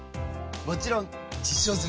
もちろん実証済！